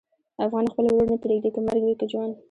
افغان خپل ورور نه پرېږدي، که مرګ وي که ژوند.